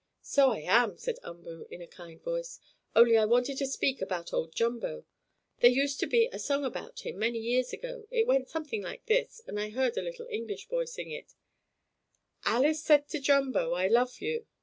"So I am," said Umboo, in a kind voice, "Only I wanted to speak about old Jumbo, There used to be a song about him, many years ago. It went something like this, and I heard a little English boy sing it: "Alice said to Jumbo: 'I love you!'